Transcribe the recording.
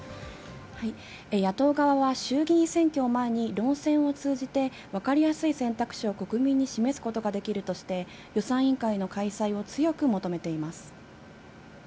野党側は衆議院選挙を前に論戦を通じて分かりやすい選択肢を国民に示すことができるとして、予算委員会の開催を強く求めています。